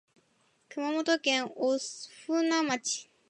熊本県御船町